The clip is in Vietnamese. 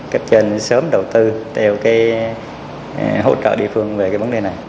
cấp trên sớm đầu tư theo hỗ trợ địa phương về vấn đề này